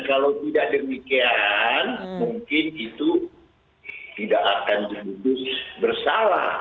kalau tidak demikian mungkin itu tidak akan terhubung bersama